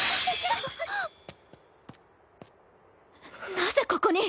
なぜここに？